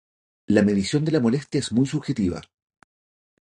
La medición de la molestia es muy subjetiva.